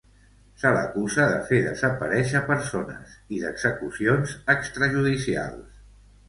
Se l’acusa de fer desaparèixer persones i d’execucions extrajudicials.